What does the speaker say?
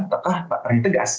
ataukah terhenti tegas